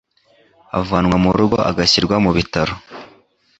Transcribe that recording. avanwa mu rugo agashyirwa mu bitaro